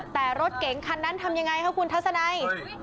แต่รถเก๋งคันนั้นทำยังไงคะคุณทัศนัย